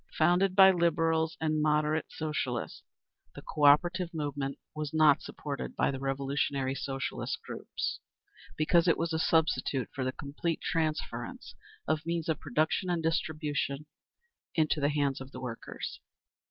Founded by Liberals and "moderate" Socialists, the Cooperative movement was not supported by the revolutionary Socialist groups, because it was a substitute for the complete transference of means of production and distribution into the hands of the workers.